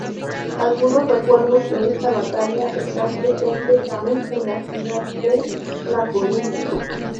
Algunos recuerdos de esta batalla están presentes aún en la ciudad de La Coruña.